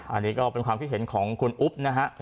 อันนี้ก็เป็นความคิดเห็นของคุณอุ๊บนะฮะ